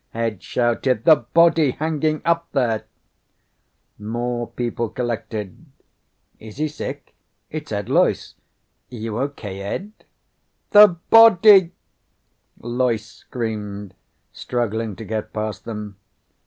Ed shouted. "The body hanging there!" More people collected. "Is he sick? It's Ed Loyce. You okay, Ed?" "The body!" Loyce screamed, struggling to get past them.